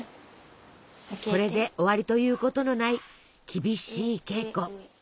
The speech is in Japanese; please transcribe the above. これで終わりということのない厳しい稽古。